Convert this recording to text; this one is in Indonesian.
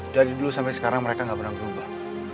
dari dulu sampai sekarang mereka nggak pernah berubah